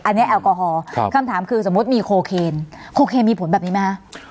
อันนี้แอลกอฮอล์คำถามคือสมมุติมีโคเคนโคเคนมีผลแบบนี้ไหมคะ